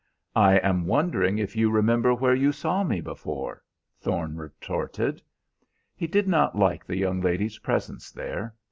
"I am wondering if you remember where you saw me before," Thorne retorted. He did not like the young lady's presence there.